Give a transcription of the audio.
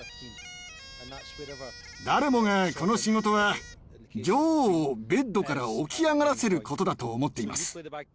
誰もがこの仕事は女王をベッドから起き上がらせることだと思っています。